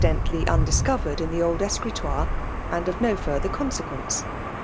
tatty undise^vered in ihe old eserutoirc, and rf no further consequence.